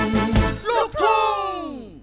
ลูกทรง